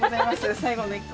最後の１個。